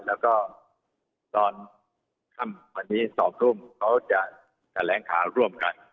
แล้วก็ตอนค่ำวันนี้๒ทุ่มเขาจะแถลงข่าวร่วมกัน